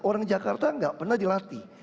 orang jakarta nggak pernah dilatih